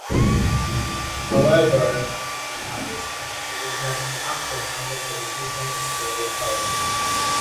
However, others think it is not an action unless the decision is carried out.